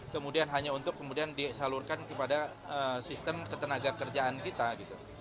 kemudian hanya untuk kemudian disalurkan kepada sistem ketenaga kerjaan kita gitu